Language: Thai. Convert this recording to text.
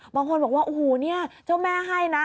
บางคนบอกว่าโอ้โหเนี่ยเจ้าแม่ให้นะ